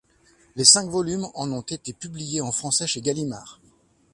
Les cinq volumes en ont été publiés en français chez Gallimard.